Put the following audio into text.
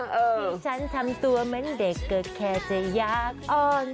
ที่ฉันทำตัวเหมือนเด็กก็แค่จะอยากอ่อน